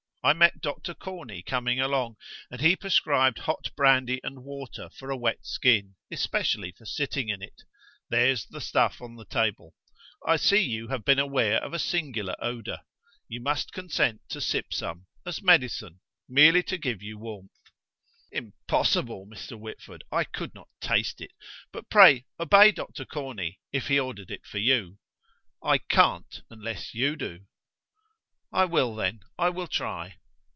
I met Doctor Corney coming along, and he prescribed hot brandy and water for a wet skin, especially for sitting in it. There's the stuff on the table; I see you have been aware of a singular odour; you must consent to sip some, as medicine; merely to give you warmth." "Impossible, Mr. Whitford: I could not taste it. But pray, obey Dr. Corney, if he ordered it for you." "I can't, unless you do." "I will, then: I will try."